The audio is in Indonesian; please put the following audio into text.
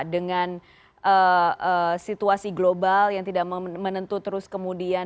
dengan situasi global yang tidak terlalu baik